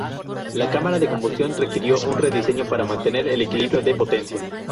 La cámara de combustión requirió un rediseño para mantener el equilibrio de potencia.